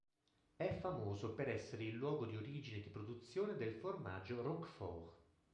È famoso per essere il luogo di origine e di produzione del formaggio roquefort.